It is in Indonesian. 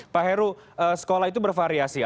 pak heru sekolah itu bervariasi